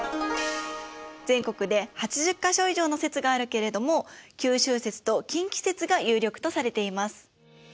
全国で８０か所以上の説があるけれども九州説と近畿説が有力とされています。